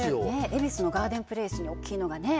恵比寿のガーデンプレイスに大きいのがね